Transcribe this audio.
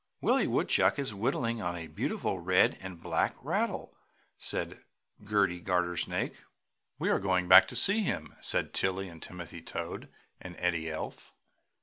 "Willie Woodchuck is whittling on a beautiful red and black rattle!" said Gerty Gartersnake. "We are going back to see him!" said Tilly and Timothy Toad and Eddie Elf.